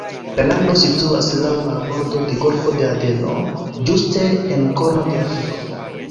La lando situas laŭ marbordo de golfo de Adeno, ĝuste en korno de Afriko.